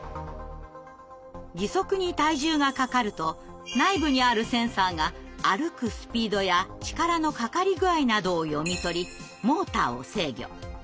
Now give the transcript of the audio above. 義足に体重がかかると内部にあるセンサーが歩くスピードや力のかかり具合などを読み取りモーターを制御。